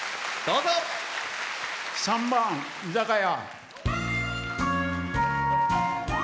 ３番「居酒屋」。